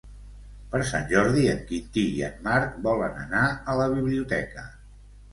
Per Sant Jordi en Quintí i en Marc volen anar a la biblioteca.